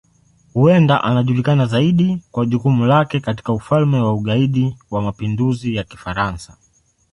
Huenda anajulikana zaidi kwa jukumu lake katika Ufalme wa Ugaidi wa Mapinduzi ya Kifaransa.